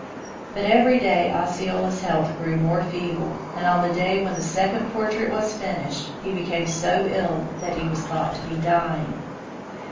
But every day Osceola's health grew more feeble and, on the day when the second portrait was finished, he became so ill that he was thought to be dying.